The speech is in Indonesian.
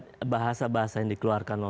mengikut sesama ke seperhubungannya